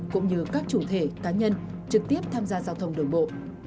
cũng như các chủ thể cá nhân trực tiếp tham gia giao thông đường bộ